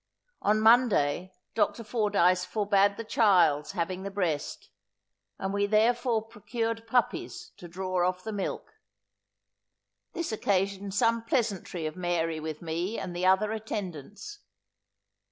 On Monday, Dr. Fordyce forbad the child's having the breast, and we therefore procured puppies to draw off the milk. This occasioned some pleasantry of Mary with me and the other attendants.